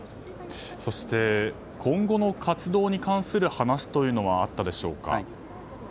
そして今後の活動に関する話はあったんでしょうか？